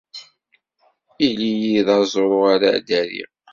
Ili-yi d aẓru ara ddariɣ.